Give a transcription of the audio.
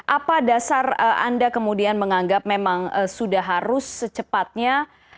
apa dasar anda kemudian menganggap memang sudah harus secepatnya